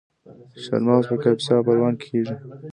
چهارمغز په کاپیسا او پروان کې کیږي.